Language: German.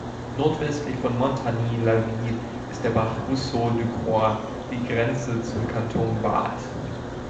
Nordwestlich von Montagny-la-Ville ist der Bach "Ruisseau du Creux" die Grenze zum Kanton Waadt.